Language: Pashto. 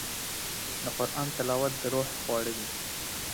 د قرآن تلاوت د روح خواړه دي.